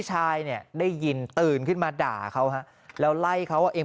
ชายเนี่ยได้ยินตื่นขึ้นมาด่าเขาฮะแล้วไล่เขาเอง